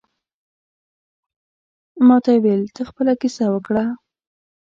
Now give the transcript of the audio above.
ماته یې ویل ته خپله کیسه وکړه.